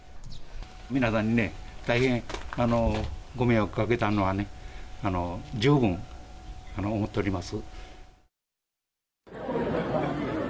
皆さんにね、大変ご迷惑かけたのはね、十分思っております。